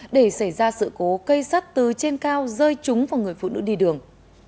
để xảy ra sự cố cây sắt từ trên cao rơi trúng vào người phụ nữ đi đường